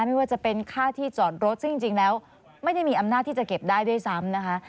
ไม่ว่าจะเป็นค่าที่จอดรถซึ่งจริงแล้วไม่ได้มีอำนาจที่จะเก็บได้ด้วยซ้ำนะคะ